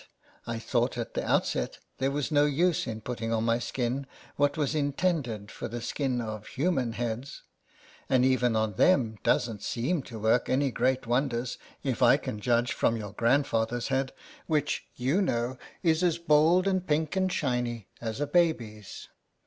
I thought at the outset there was no use in put ting on my skin what was intended for the skin of human heads, and even on them don't seem to work any great wonders, if I can judge from your grandfather's head, which you know is as bald and pink and shiny as a baby's.